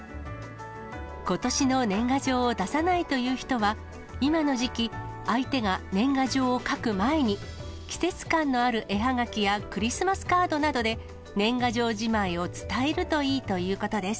ことしの年賀状を出さないという人は、今の時期、相手が年賀状を書く前に、季節感のある絵はがきやクリスマスカードなどで年賀状じまいを伝えるといいということです。